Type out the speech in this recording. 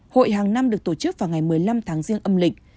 hội hàng năm được tổ chức vào ngày một mươi năm tháng riêng âm lịch